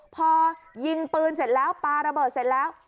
พอยิงปืนเสร็จแล้วปลาระเบิดเสร็จแล้ว